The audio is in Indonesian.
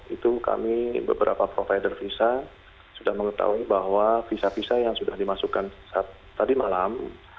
itu kami beberapa provider visa sudah mengetahui bahwa visa visa yang sudah dimasukkan tadi malam